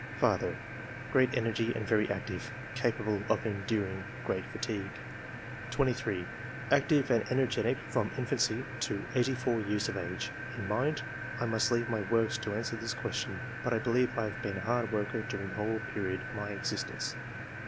II.] QUALITIES. 89 " Father — Great energy, and very active ; capable of enduring great fatigue/' 23. "Active and energetic from infancy to eighty four years of age. In mind — I must leave my works to answer this question ; but I believe I have been a hard worker during the whole period of my existence.